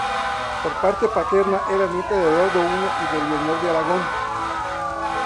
Por parte paterna era nieta de Eduardo I y de Leonor de Aragón.